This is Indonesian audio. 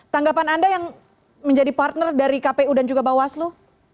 tanggapan anda yang menjadi partner dari kpu dan juga bawaslu